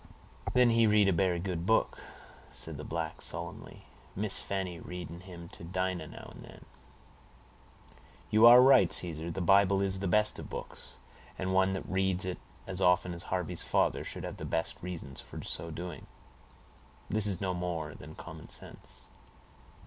"Then he read a berry good book," said the black solemnly. "Miss Fanny read in him to Dinah now and den." "You are right, Caesar. The Bible is the best of books, and one that reads it as often as Harvey's father should have the best of reasons for so doing. This is no more than common sense."